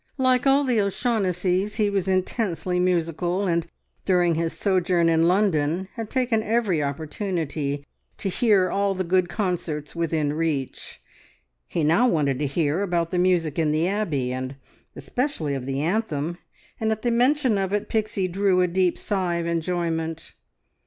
Like all the O'Shaughnessys he was intensely musical, and during his sojourn in London had taken every opportunity to hear all the good concerts within reach. He now wanted to hear about the music in the Abbey, and especially of the anthem, and at the mention of it Pixie drew a deep sigh of enjoyment.